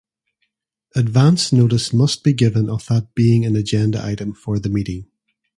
Advance notice must be given of that being an agenda item for the meeting.